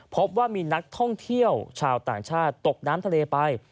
พบว่ามีนักท่องเที่ยวชาวต่างชาติตกน้ำทะเลไป